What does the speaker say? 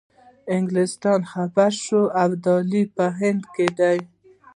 انګلیسان خبر شول ابدالي په هندوستان کې دی.